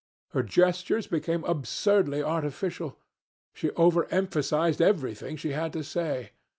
Her gestures became absurdly artificial. She overemphasized everything that she had to say.